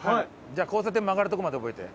じゃあ交差点曲がるとこまで覚えて。